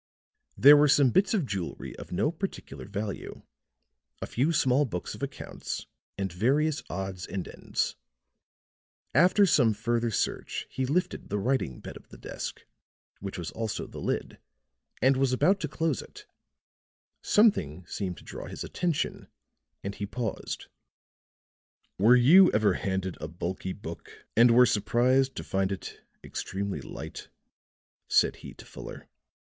There were some bits of jewelry of no particular value, a few small books of accounts and various odds and ends. After some further search he lifted the writing bed of the desk, which was also the lid, and was about to close it; something seemed to attract his attention and he paused. "Were you ever handed a bulky book and were surprised to find it extremely light?" said he to Fuller.